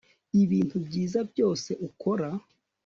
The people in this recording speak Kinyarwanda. ibintu byiza byose ukora